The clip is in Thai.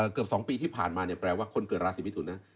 เกือบ๒ปีที่ผ่านมาเนี่ยแปลว่าคนเกิดราศีมิถุนนะ